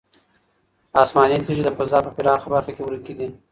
آسماني تیږې د فضا په پراخه برخه کې ورکې دي.